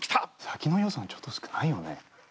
さっきの予算ちょっと少ないよね。